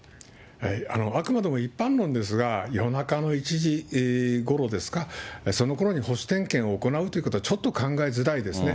あくまでも一般論ですが、夜中の１時ごろですか、そのころに保守点検を行うということは、ちょっと考えづらいですね。